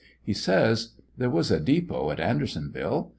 He says : There was a depot at Andersonville.